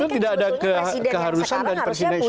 tidak ada keharusan dan presiden sby